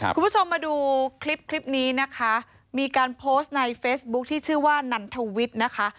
คุณผู้ชมมาดูคลิปคลิปนี้นะคะมีการโพสต์ในเฟซบุ๊คที่ชื่อว่านันทวิทย์นะคะ